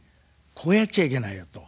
こうやっちゃいけないよと。